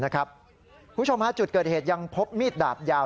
คุณผู้ชมฮะจุดเกิดเหตุยังพบมีดดาบยาว